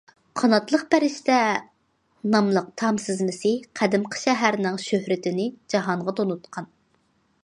« قاناتلىق پەرىشتە» ناملىق تام سىزمىسى قەدىمكى شەھەرنىڭ شۆھرىتىنى جاھانغا تونۇتقان.